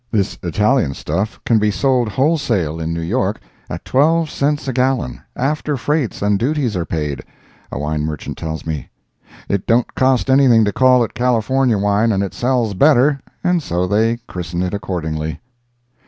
This Italian stuff can be sold wholesale in New York at twelve cents a gallon after freights and duties are paid, a wine merchant tells me. It don't cost anything to call it California wine, and it sells better, and so they christen it accordingly.